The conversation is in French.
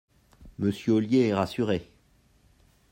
Monsieur Ollier est rassuré